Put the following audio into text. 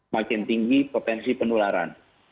makin tinggi potensi penularan